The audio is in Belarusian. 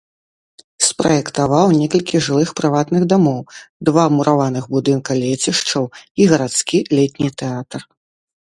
Спраектаваў некалькі жылых прыватных дамоў, два мураваных будынка лецішчаў і гарадскі летні тэатр.